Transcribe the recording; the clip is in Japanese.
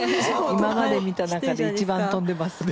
今まで見た中で一番飛んでいます。